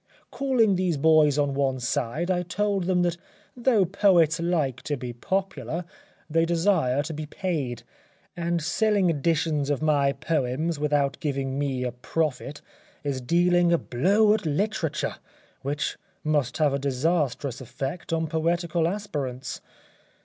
Calling these boys on one side I told them that though poets like to be popular they desire to be paid, and selling editions of my poems without giving me a profit is dealing a blow at literature which must have a disastrous effect on poetical aspirants.